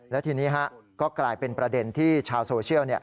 และทีนี้ก็กลายเป็นประเด็นที่ชาวโซเชียล